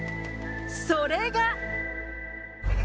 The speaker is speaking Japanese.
それが。